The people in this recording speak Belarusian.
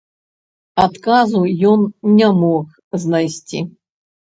Адказу ён не мог знайсці.